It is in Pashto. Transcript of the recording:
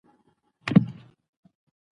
آیا طلاق د اجتماعي فشارونو پایله ده؟